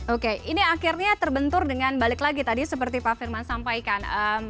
oke ini akhirnya terbentur dengan balik lagi tadi seperti pak firman sampaikan